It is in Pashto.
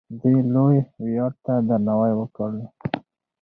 دې لوی ویاړ ته درناوی وکړه.